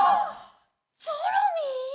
チョロミー！？